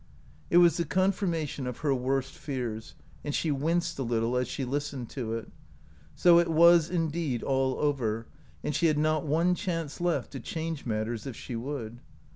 It was the confirmation of her worst fears, and she winced a little as she listened to it. So it was indeed all over, and she had not one chance left to change matters if she would.